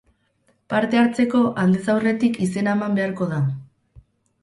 Parte hartzeko, aldez aurretik izena eman beharko da.